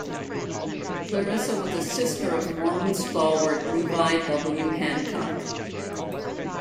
Clarissa was a sister of Mormon stalwart Levi W. Hancock.